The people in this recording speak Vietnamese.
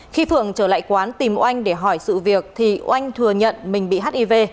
khi phượng trở lại quán tìm oanh để hỏi sự việc thì oanh thừa nhận mình bị hiv